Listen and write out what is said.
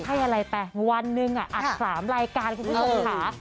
ให้อะไรไปวันหนึ่งอัด๓รายการคุณผู้ชมค่ะ